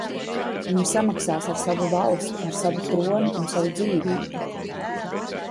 Viņa samaksās ar savu valsti, ar savu troni un savu dzīvību!